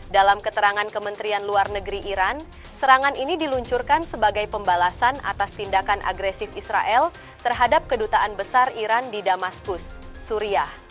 dalam keterangan kementerian luar negeri iran serangan ini diluncurkan sebagai pembalasan atas tindakan agresif israel terhadap kedutaan besar iran di damaskus suria